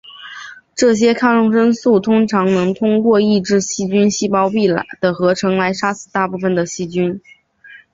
这些抗生素通常能通过抑制细菌细胞壁的合成来杀死大部分的细菌。